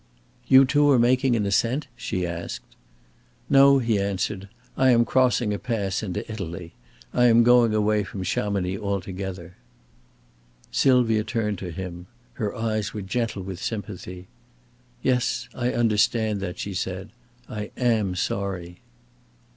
"You too are making an ascent?" she asked. "No," he answered. "I am crossing a pass into Italy. I am going away from Chamonix altogether." Sylvia turned to him; her eyes were gentle with sympathy. "Yes, I understand that," she said. "I am sorry."